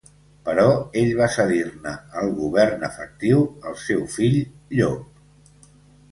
Però ell va cedir-ne el govern efectiu al seu fill Llop.